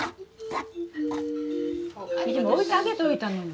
置いてあげといたのに。